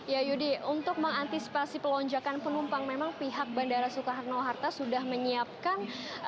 ya yudi untuk mengantisipasi pelonjakan penumpang memang pihak bandara soekarno hatta sudah menyiapkan